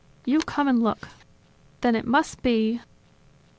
You come and look." "Then it must be?